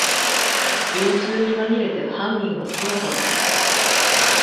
群集にまぎれて犯人は姿を消した